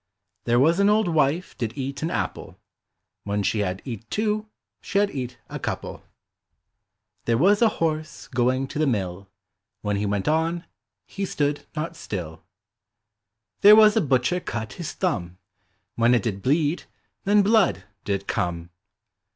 There was an old wife did eat an apple, When she had eat two, she had eat a couple. Digitized by Google FUX FOR LITTLE FOLK. 105 There was a horse going to the mill, When lie went on, he stood not still. There was a butcher cut his thumb. When it did bleed, then blood did come.